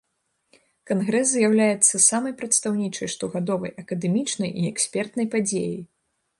Кангрэс з'яўляецца самай прадстаўнічай штогадовай акадэмічнай і экспертнай падзеяй.